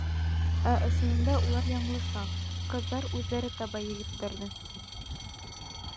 Ә ысынында улар яңылыша: ҡыҙҙар үҙҙәре таба егеттәрҙе.